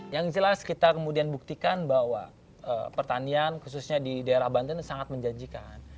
yang jelas kita kemudian buktikan bahwa pertanian khususnya di daerah banten sangat menjanjikan